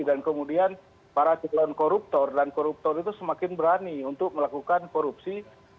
dan kemudian para calon koruptor dan koruptor itu semakin berani untuk melakukan korupsi